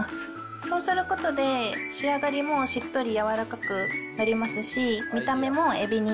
そうすることで、仕上がりもしっとり柔らかくなりますし、見た目もエビに？